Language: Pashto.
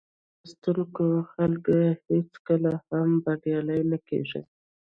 په آرامه کیناستونکي خلک هېڅکله هم بریالي نه کېږي.